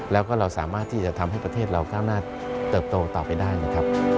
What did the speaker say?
แล้วก็เราสามารถที่จะทำให้ประเทศเราก้าวหน้าเติบโตต่อไปได้นะครับ